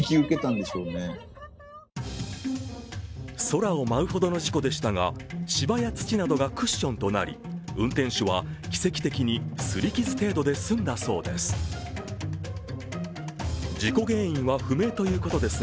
空を舞うほどの事故でしたが芝や土などがクッションとなり運転手は奇跡的にすり傷程度で済んだそうです。